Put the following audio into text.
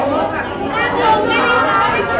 ขอบคุณหนึ่งนะคะขอบคุณกล้องนี้ด้วยค่ะ